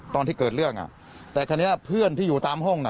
ตอนที่เกิดเรื่องอ่ะแต่คราวนี้เพื่อนที่อยู่ตามห้องน่ะ